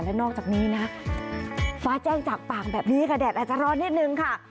และนอกจากนี้นะฟ้าแจ้งจากปากแบบนี้ค่ะแดดอาจจะร้อนนิดนึงค่ะ